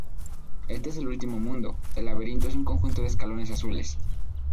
Este es el último mundo, el laberinto es un conjunto de escalones azules.